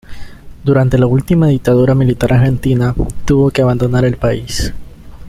Durante la última Dictadura militar argentina, tuvo que abandonar el país.